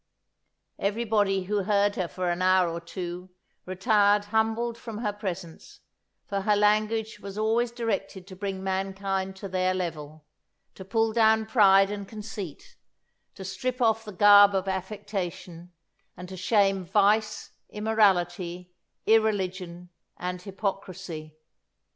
Everybody who heard her for an hour or two retired humbled from her presence, for her language was always directed to bring mankind to their level, to pull down pride and conceit, to strip off the garb of affectation, and to shame vice, immorality, irreligion, and hypocrisy."